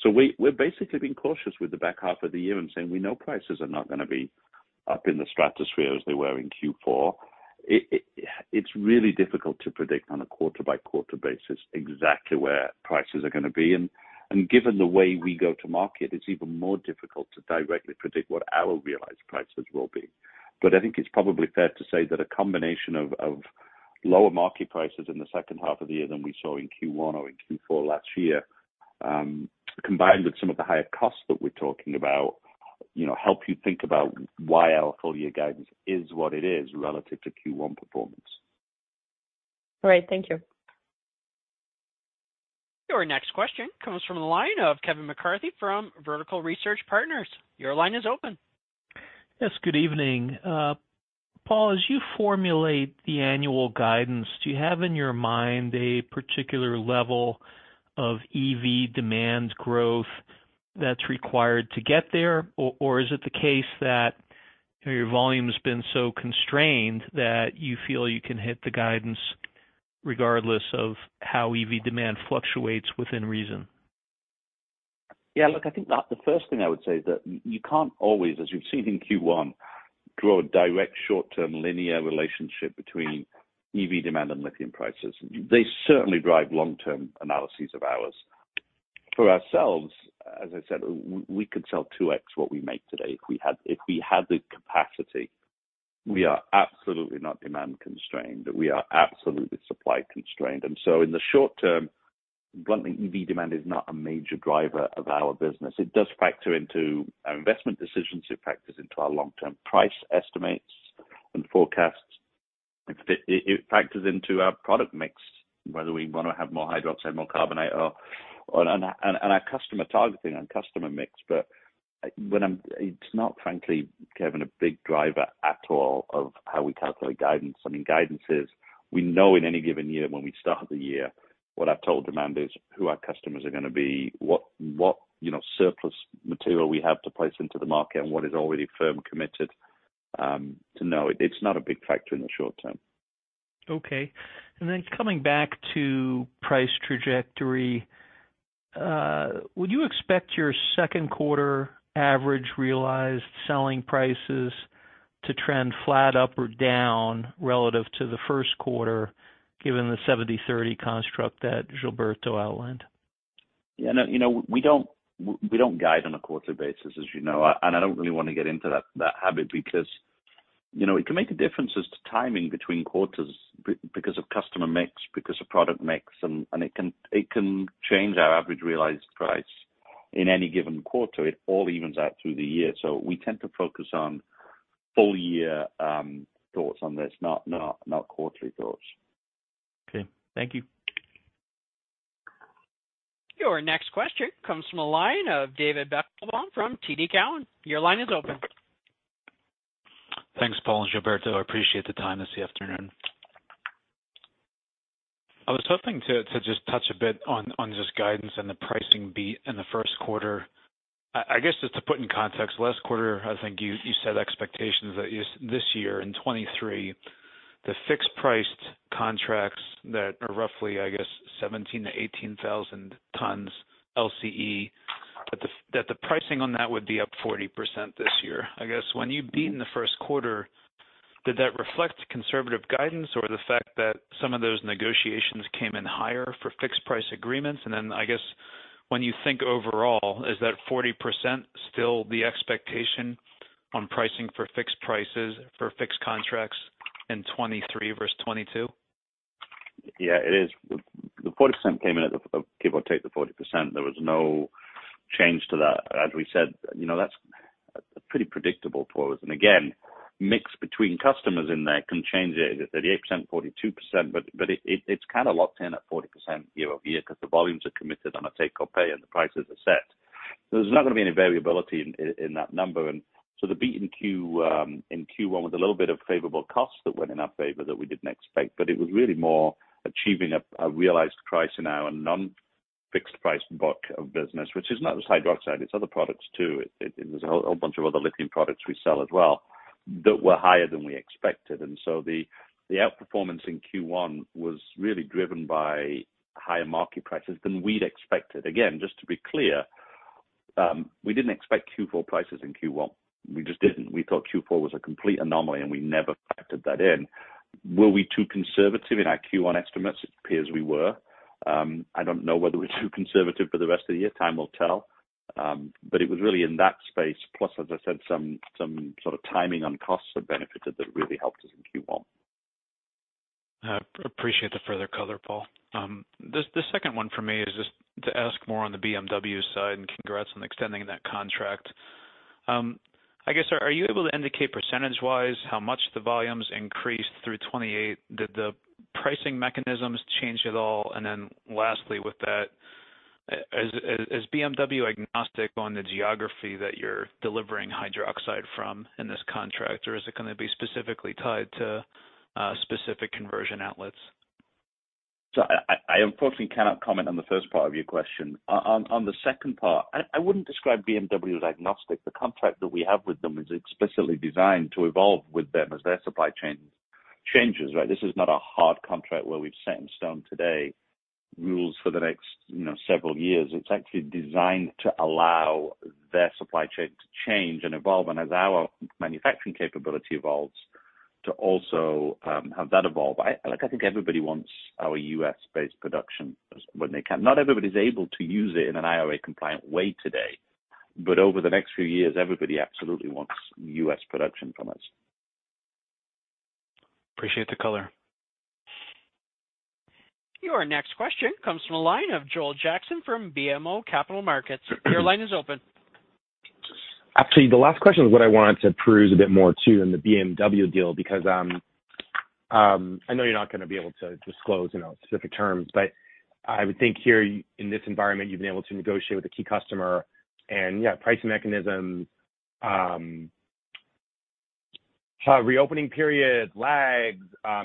We're basically being cautious with the back half of the year and saying, we know prices are not gonna be up in the stratosphere as they were in Q4. It's really difficult to predict on a quarter by quarter basis exactly where prices are gonna be. Given the way we go to market, it's even more difficult to directly predict what our realized prices will be. I think it's probably fair to say that a combination of lower market prices in the second half of the year than we saw in Q1 or in Q4 last year, combined with some of the higher costs that we're talking about, you know, help you think about why our full year guidance is what it is relative to Q1 performance. All right. Thank you. Your next question comes from the line of Kevin McCarthy from Vertical Research Partners. Your line is open. Yes. Good evening. Paul, as you formulate the annual guidance, do you have in your mind a particular level of EV demand growth that's required to get there, or is it the case that, you know, your volume's been so constrained that you feel you can hit the guidance regardless of how EV demand fluctuates within reason? Yeah, look, I think that the first thing I would say is that you can't always, as you've seen in Q1, draw a direct short-term linear relationship between EV demand and lithium prices. They certainly drive long-term analyses of ours. For ourselves, as I said, we could sell 2x what we make today if we had the capacity. We are absolutely not demand constrained. We are absolutely supply constrained. In the short term, bluntly, EV demand is not a major driver of our business. It does factor into our investment decisions. It factors into our long-term price estimates and forecasts. It factors into our product mix, whether we wanna have more hydroxide, more carbonate or, and our customer targeting and customer mix. It's not frankly, Kevin, a big driver at all of how we calculate guidance. I mean, guidance is, we know in any given year when we start the year, what our total demand is, who our customers are gonna be, what, you know, surplus material we have to place into the market, and what is already firm committed, to know it. It's not a big factor in the short term. Okay. Coming back to price trajectory, would you expect your second quarter average realized selling prices to trend flat up or down relative to the first quarter, given the 70/30 construct that Gilberto outlined? Yeah. No, you know, we don't, we don't guide on a quarterly basis, as you know. I don't really wanna get into that habit because, you know, it can make a difference as to timing between quarters because of customer mix, because of product mix, and it can change our average realized price in any given quarter. It all evens out through the year. We tend to focus on full year thoughts on this, not quarterly thoughts. Okay. Thank you. Your next question comes from the line of David Deckelbaum from TD Cowen. Your line is open. Thanks, Paul and Gilberto. I appreciate the time this afternoon. I was hoping to just touch a bit on just guidance and the pricing beat in the first quarter. I guess just to put in context, last quarter, I think you set expectations that is this year in 2023, the fixed priced contracts that are roughly, I guess 17,000 tons-18,000 tons LCE, that the pricing on that would be up 40% this year. I guess when you beat in the first quarter, did that reflect conservative guidance or the fact that some of those negotiations came in higher for fixed price agreements? I guess when you think overall, is that 40% still the expectation on pricing for fixed prices for fixed contracts in 2023 versus 2022? Yeah, it is. The 40% came in as a give or take the 40%. There was no change to that. As we said, you know, that's a pretty predictable for us. Again, mix between customers in there can change it at 80%, 42%, but it's kind of locked in at 40% year-over-year because the volumes are committed on a take-or-pay and the prices are set. There's not going to be any variability in that number. The beat in Q1 was a little bit of favorable costs that went in our favor that we didn't expect, but it was really more achieving a realized price in our non-fixed price book of business, which is not just hydroxide, it's other products too. There's a whole bunch of other lithium products we sell as well. That were higher than we expected. The outperformance in Q1 was really driven by higher market prices than we'd expected. Again, just to be clear, we didn't expect Q4 prices in Q1. We just didn't. We thought Q4 was a complete anomaly, and we never factored that in. Were we too conservative in our Q1 estimates? It appears we were. I don't know whether we're too conservative for the rest of the year. Time will tell. It was really in that space, plus, as I said, some sort of timing on costs that benefited that really helped us in Q1. I appreciate the further color, Paul. The second one for me is just to ask more on the BMW side, and congrats on extending that contract. I guess, are you able to indicate percentage-wise how much the volumes increased through 2028? Did the pricing mechanisms change at all? Lastly with that, is BMW agnostic on the geography that you're delivering hydroxide from in this contract, or is it gonna be specifically tied to specific conversion outlets? I unfortunately cannot comment on the first part of your question. On the second part, I wouldn't describe BMW as agnostic. The contract that we have with them is explicitly designed to evolve with them as their supply chain changes, right? This is not a hard contract where we've set in stone today rules for the next, you know, several years. It's actually designed to allow their supply chain to change and evolve, and as our manufacturing capability evolves, to also have that evolve. Look, I think everybody wants our U.S.-based production when they can. Not everybody's able to use it in an IRA compliant way today, but over the next few years, everybody absolutely wants U.S. production from us. Appreciate the color. Your next question comes from the line of Joel Jackson from BMO Capital Markets. Your line is open. Actually, the last question was what I wanted to peruse a bit more to in the BMW deal because, I know you're not gonna be able to disclose, you know, specific terms, but I would think here in this environment, you've been able to negotiate with a key customer and yeah, pricing mechanisms, reopening periods, lags,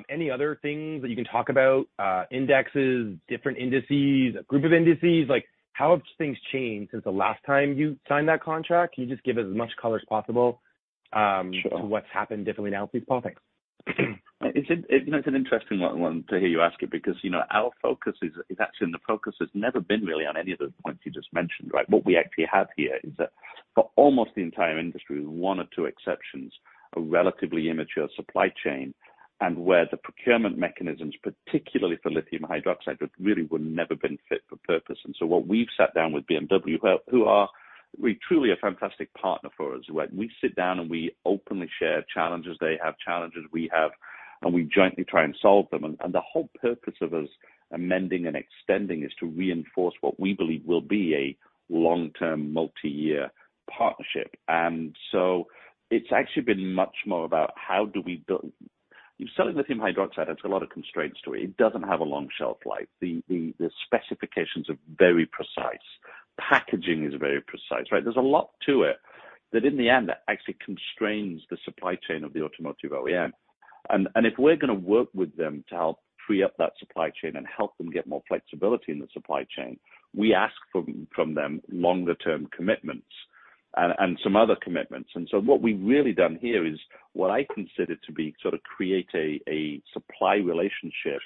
any other things that you can talk about, indexes, different indices, a group of indices. Like, how have things changed since the last time you signed that contract? Can you just give it as much color as possible? Sure. to what's happened differently now, please, Paul? Thanks. It's an interesting one to hear you ask it because, you know, our focus is actually and the focus has never been really on any of the points you just mentioned, right? What we actually have here is that for almost the entire industry, with one or two exceptions, a relatively immature supply chain, and where the procurement mechanisms, particularly for lithium hydroxide, really would never been fit for purpose. What we've sat down with BMW, who are really truly a fantastic partner for us, right? We sit down, and we openly share challenges. They have challenges. We have. We jointly try and solve them. The whole purpose of us amending and extending is to reinforce what we believe will be a long-term, multi-year partnership. It's actually been much more about how do we build...If you're selling lithium hydroxide, it's a lot of constraints to it. It doesn't have a long shelf life. The specifications are very precise. Packaging is very precise, right. There's a lot to it that in the end, that actually constrains the supply chain of the automotive OEM. If we're gonna work with them to help free up that supply chain and help them get more flexibility in the supply chain, we ask from them longer term commitments and some other commitments. What we've really done here is what I consider to be sort of create a supply relationship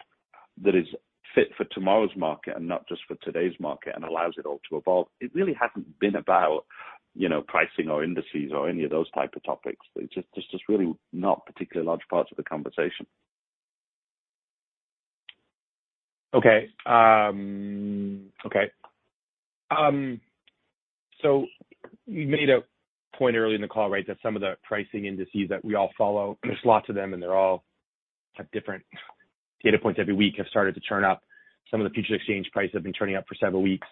that is fit for tomorrow's market and not just for today's market and allows it all to evolve. It really hasn't been about, you know, pricing or indices or any of those type of topics. It's just really not particularly large parts of the conversation. Okay. You made a point earlier in the call, right, that some of the pricing indices that we all follow, there's lots of them, and they're all have different data points every week, have started to turn up. Some of the future exchange prices have been turning up for several weeks.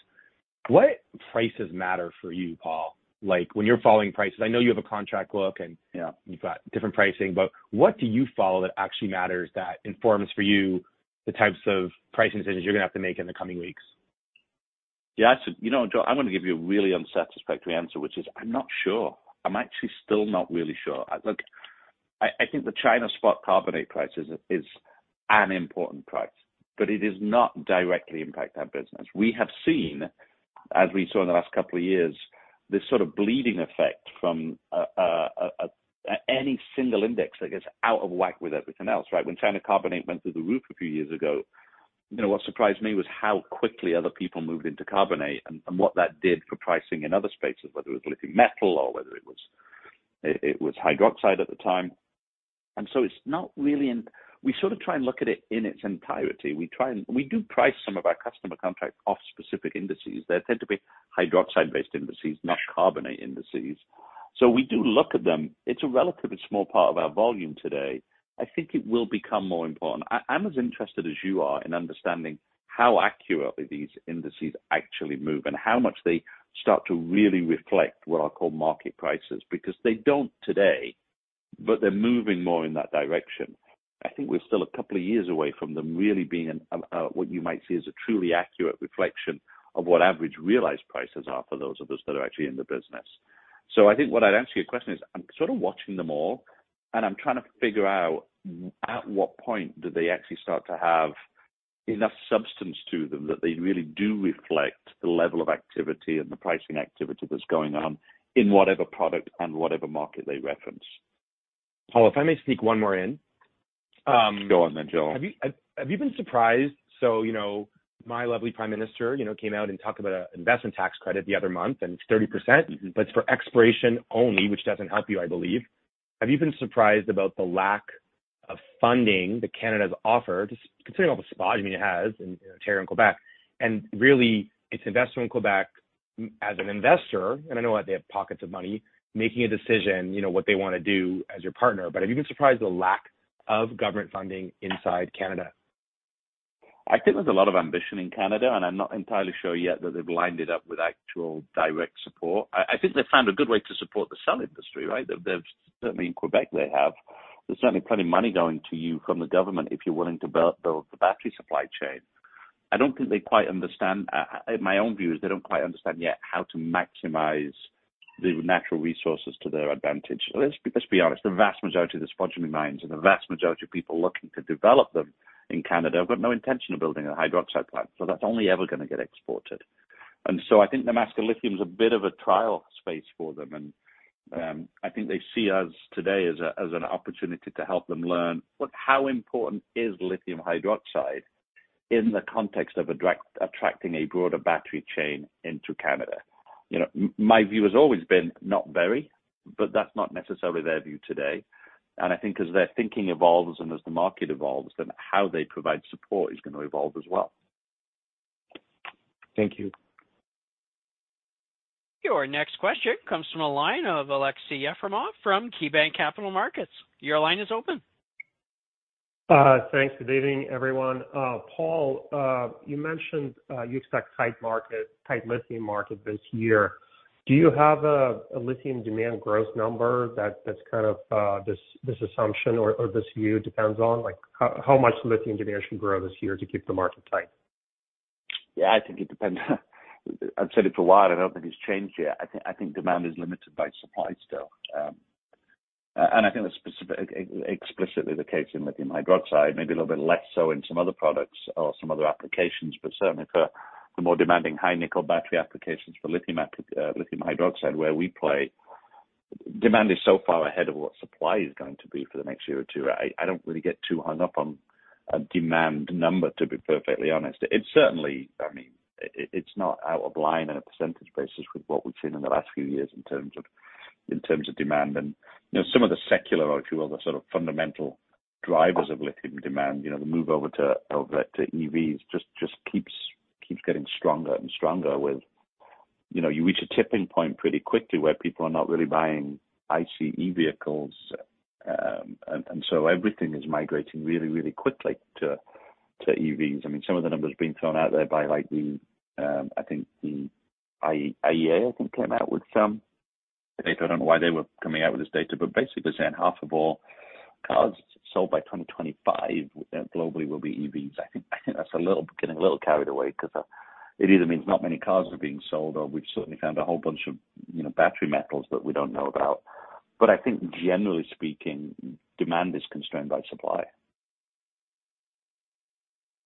What prices matter for you, Paul? Like, when you're following prices, I know you have a contract book. Yeah. You've got different pricing, but what do you follow that actually matters that informs for you the types of price decisions you're gonna have to make in the coming weeks? Yeah. You know, Joel, I'm gonna give you a really unsatisfactory answer, which is I'm not sure. I'm actually still not really sure. Look, I think the China spot carbonate price is an important price, but it is not directly impact our business. We have seen, as we saw in the last couple of years, this sort of bleeding effect from any single index that gets out of whack with everything else, right? When China carbonate went through the roof a few years ago, you know, what surprised me was how quickly other people moved into carbonate and what that did for pricing in other spaces, whether it was lithium metal or whether it was hydroxide at the time. It's not really. We sort of try and look at it in its entirety. We do price some of our customer contracts off specific indices. They tend to be hydroxide-based indices, not carbonate indices. We do look at them. It's a relatively small part of our volume today. I think it will become more important. I'm as interested as you are in understanding how accurately these indices actually move and how much they start to really reflect what I call market prices. They don't today, but they're moving more in that direction. I think we're still a couple of years away from them really being what you might see as a truly accurate reflection of what average realized prices are for those of us that are actually in the business. I think what I'd answer your question is I'm sort of watching them all, and I'm trying to figure out at what point do they actually start to have enough substance to them that they really do reflect the level of activity and the pricing activity that's going on in whatever product and whatever market they reference. Paul, if I may sneak one more in. Go on then, Joel. Have you been surprised? You know, my lovely prime minister, you know, came out and talked about a investment tax credit the other month, and it's 30%. Mm-hmm. It's for exploration only, which doesn't help you, I believe. Have you been surprised about the lack of funding that Canada has offered, considering all the spodumene it has in Ontario and Quebec, and really its investment in Quebec as an investor, and I know that they have pockets of money, making a decision, you know, what they wanna do as your partner? Have you been surprised the lack of government funding inside Canada? I think there's a lot of ambition in Canada, and I'm not entirely sure yet that they've lined it up with actual direct support. I think they found a good way to support the cell industry, right? They've. Certainly in Québec they have. There's certainly plenty money going to you from the government if you're willing to build the battery supply chain. I don't think they quite understand. My own view is they don't quite understand yet how to maximize the natural resources to their advantage. Let's be honest. The vast majority of the spodumene mines and the vast majority of people looking to develop them in Canada have got no intention of building a hydroxide plant, so that's only ever gonna get exported. I think the Maricunga Lithium is a bit of a trial space for them. I think they see us today as a, as an opportunity to help them learn what how important is lithium hydroxide in the context of attracting a broader battery chain into Canada. You know, my view has always been not very, but that's not necessarily their view today. I think as their thinking evolves and as the market evolves, then how they provide support is gonna evolve as well. Thank you. Your next question comes from the line of Aleksey Yefremov from KeyBanc Capital Markets. Your line is open. Thanks. Good evening, everyone. Paul, you mentioned, you expect tight lithium market this year. Do you have a lithium demand growth number that's kind of this assumption or this view depends on, like, how much lithium demand should grow this year to keep the market tight? Yeah, I think it depends. I've said it for a while, nothing's changed yet. I think demand is limited by supply still. I think that's explicitly the case in lithium hydroxide, maybe a little bit less so in some other products or some other applications, but certainly for the more demanding high nickel battery applications for lithium hydroxide where we play, demand is so far ahead of what supply is going to be for the next year or two. I don't really get too hung up on a demand number, to be perfectly honest. It's certainly, I mean, it's not out of line on a % basis with what we've seen in the last few years in terms of demand. you know, some of the secular, or if you will, the sort of fundamental drivers of lithium demand, you know, the move over to EVs just keeps getting stronger and stronger with... You know, you reach a tipping point pretty quickly where people are not really buying ICE vehicles, and so everything is migrating really quickly to EVs. I mean, some of the numbers being thrown out there by like the, I think the IEA, I think, came out with some data. I don't know why they were coming out with this data, but basically they're saying half of all cars sold by 2025, globally will be EVs. I think that's a little, getting a little carried away 'cause it either means not many cars are being sold or we've certainly found a whole bunch of, you know, battery metals that we don't know about. I think generally speaking, demand is constrained by supply.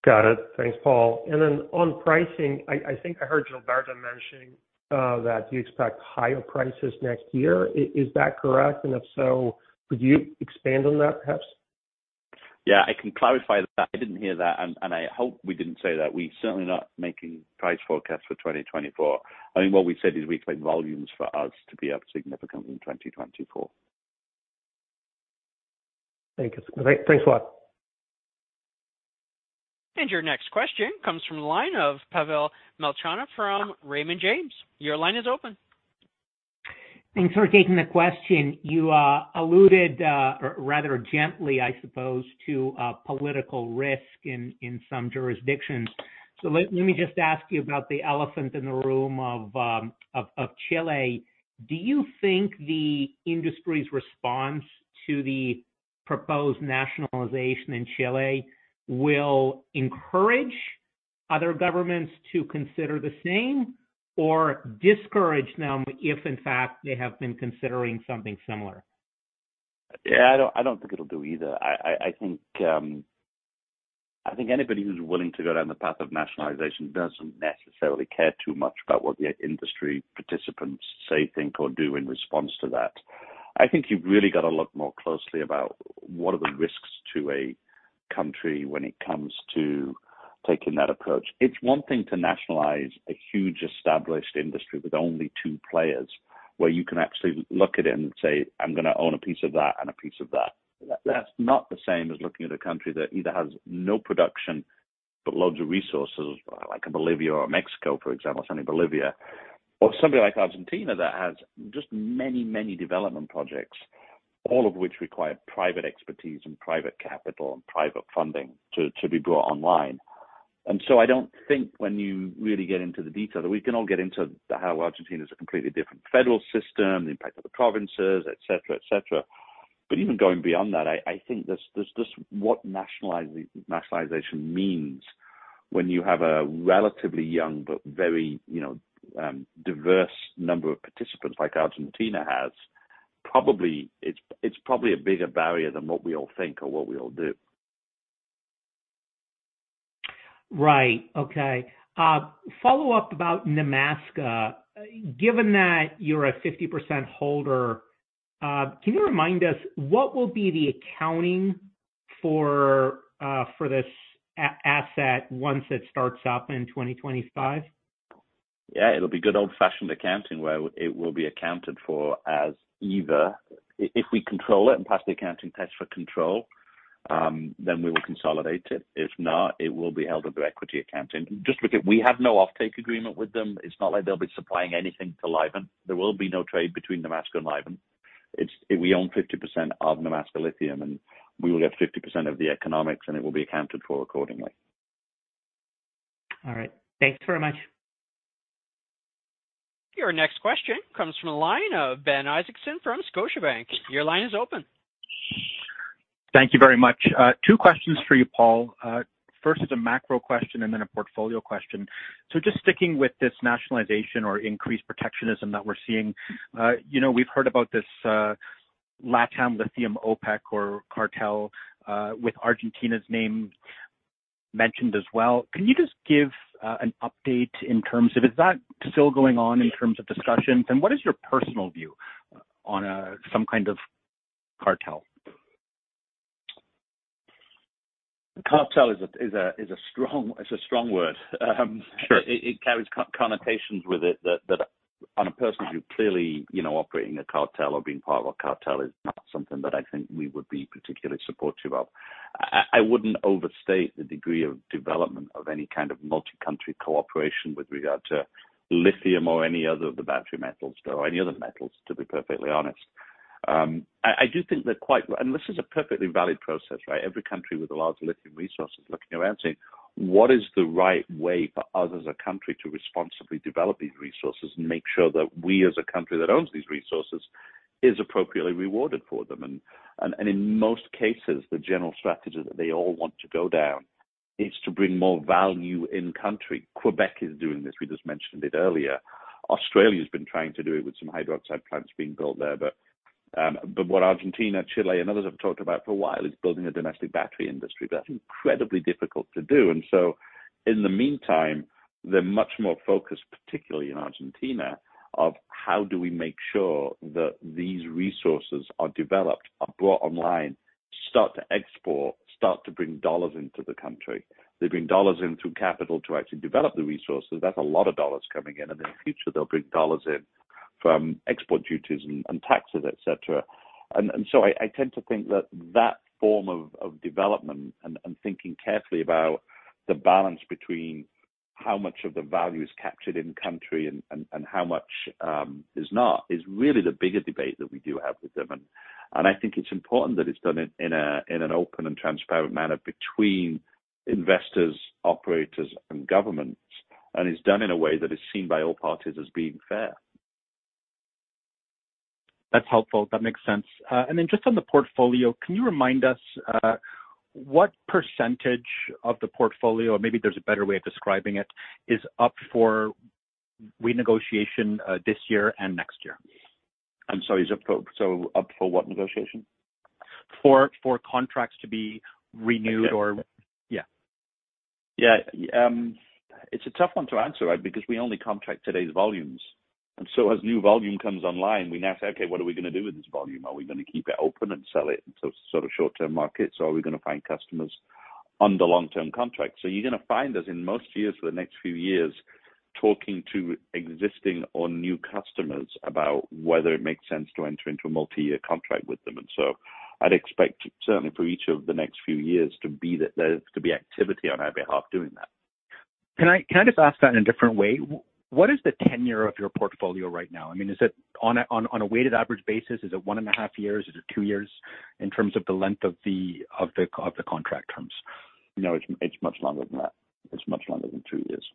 Got it. Thanks, Paul. On pricing, I think I heard Gilberto mentioning that you expect higher prices next year. Is that correct? If so, could you expand on that perhaps? Yeah, I can clarify that. I didn't hear that, and I hope we didn't say that. We're certainly not making price forecasts for 2024. I think what we said is we expect volumes for us to be up significantly in 2024. Thank you. Thanks a lot. Your next question comes from the line of Pavel Molchanov from Raymond James. Your line is open. Thanks for taking the question. You alluded rather gently, I suppose, to political risk in some jurisdictions. Let me just ask you about the elephant in the room of Chile. Do you think the industry's response to the proposed nationalization in Chile will encourage other governments to consider the same or discourage them if in fact they have been considering something similar? Yeah, I don't think it'll do either. I think anybody who's willing to go down the path of nationalization doesn't necessarily care too much about what the industry participants say, think or do in response to that. I think you've really got to look more closely about what are the risks to a country when it comes to taking that approach. It's one thing to nationalize a huge established industry with only two players, where you can actually look at it and say, "I'm gonna own a piece of that and a piece of that." That's not the same as looking at a country that either has no production but loads of resources, like a Bolivia or Mexico, for example. I'll say Bolivia or somebody like Argentina that has just many, many development projects, all of which require private expertise and private capital and private funding to be brought online. I don't think when you really get into the detail, we can all get into how Argentina is a completely different federal system, the impact of the provinces, et cetera, et cetera. Even going beyond that, I think there's what nationalization means when you have a relatively young but very, you know, diverse number of participants like Argentina has. Probably, it's probably a bigger barrier than what we all think or what we all do. Right. Okay. Follow-up about Nemaska. Given that you're a 50% holder, can you remind us what will be the accounting for this asset once it starts up in 2025? Yeah. It'll be good old-fashioned accounting, where it will be accounted for as either, if we control it and pass the accounting test for control, then we will consolidate it. If not, it will be held under equity accounting. Just because we have no offtake agreement with them, it's not like they'll be supplying anything to Livent. There will be no trade between Nemaska and Livent. We own 50% of Nemaska Lithium, and we will get 50% of the economics, and it will be accounted for accordingly. All right. Thanks very much. Your next question comes from the line of Ben Isaacson from Scotiabank. Your line is open. Thank you very much. Two questions for you, Paul. First is a macro question and then a portfolio question. Just sticking with this nationalization or increased protectionism that we're seeing, you know, we've heard about this LatAm Lithium OPEC or cartel with Argentina's name mentioned as well. Can you just give an update in terms of is that still going on in terms of discussions? What is your personal view on some kind of cartel? Cartel is a strong word. Sure. It carries co-connotations with it that on a personal view, clearly, you know, operating a cartel or being part of a cartel is not something that I think we would be particularly supportive of. I wouldn't overstate the degree of development of any kind of multi-country cooperation with regard to lithium or any other of the battery metals, or any other metals, to be perfectly honest. I do think they're quite. This is a perfectly valid process, right? Every country with a large lithium resource is looking around saying, "What is the right way for us as a country to responsibly develop these resources and make sure that we, as a country that owns these resources, is appropriately rewarded for them?" In most cases, the general strategy that they all want to go down is to bring more value in country. Québec is doing this. We just mentioned it earlier. Australia's been trying to do it with some hydroxide plants being built there. What Argentina, Chile, and others have talked about for a while is building a domestic battery industry. That's incredibly difficult to do. In the meantime, they're much more focused, particularly in Argentina, of how do we make sure that these resources are developed, are brought online, start to export, start to bring dollars into the country. They bring dollars in through capital to actually develop the resources. That's a lot of dollars coming in. In the future, they'll bring dollars in from export duties and taxes, etc. I tend to think that that form of development and thinking carefully about the balance between how much of the value is captured in country and how much is not, is really the bigger debate that we do have with them. I think it's important that it's done in an open and transparent manner between investors, operators, and governments, and is done in a way that is seen by all parties as being fair. That's helpful. That makes sense. Just on the portfolio, can you remind us, what percentage of the portfolio, or maybe there's a better way of describing it, is up for renegotiation, this year and next year? I'm sorry. Is up for what negotiation? For contracts to be renewed or. Yeah. Yeah. It's a tough one to answer, right? We only contract today's volumes. As new volume comes online, we now say, "Okay, what are we gonna do with this volume? Are we gonna keep it open and sell it to sort of short-term markets, or are we gonna find customers on the long-term contract?" You're gonna find us in most years for the next few years talking to existing or new customers about whether it makes sense to enter into a multi-year contract with them. I'd expect certainly for each of the next few years to be that there's to be activity on our behalf doing that. Can I just ask that in a different way? What is the tenure of your portfolio right now? I mean, is it on a weighted average basis, is it 1.5 years? Is it two years in terms of the length of the contract terms? No, it's much longer than that. It's much longer than two years.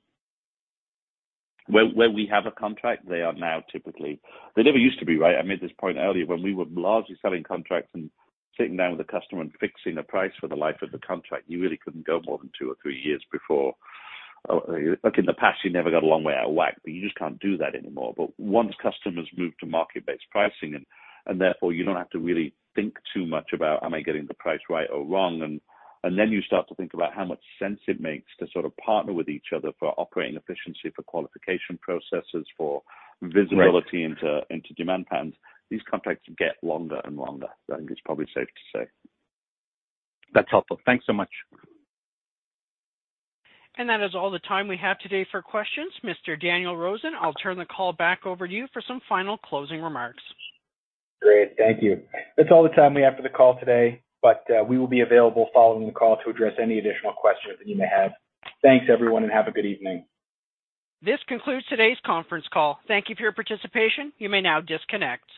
Where we have a contract, they are now typically... They never used to be, right? I made this point earlier. When we were largely selling contracts and sitting down with a customer and fixing a price for the life of the contract, you really couldn't go more than two or three years before... Like in the past, you never got a long way out of whack, but you just can't do that anymore. Once customers moved to market-based pricing and therefore you don't have to really think too much about, am I getting the price right or wrong, and then you start to think about how much sense it makes to sort of partner with each other for operating efficiency, for qualification processes, for visibility into demand patterns, these contracts get longer and longer. I think it's probably safe to say. That's helpful. Thanks so much. That is all the time we have today for questions. Mr. Daniel Rosen, I'll turn the call back over to you for some final closing remarks. Great. Thank you. That's all the time we have for the call today, but we will be available following the call to address any additional questions that you may have. Thanks, everyone, and have a good evening. This concludes today's conference call. Thank you for your participation. You may now disconnect.